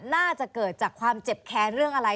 น่าจะเกิดจากความเจ็บแค้นเรื่องอะไร